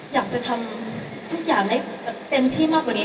อยากจะทำทุกอย่างได้เต็มที่มากกว่านี้